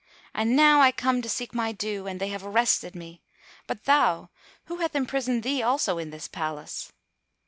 And now I come to seek my due, and they have arrested me. But thou, who hath imprisoned thee also in this place?"